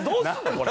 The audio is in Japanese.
これ。